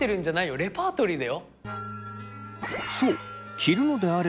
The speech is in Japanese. レパートリーだよ。